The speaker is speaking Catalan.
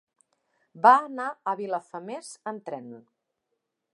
Va anar a Vilafamés amb tren.